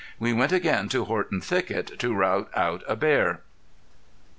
We went again to Horton Thicket to rout out a bear.